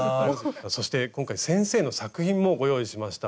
そして今回先生の作品もご用意しました。